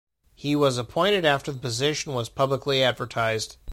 He was appointed after the position was publicly advertised.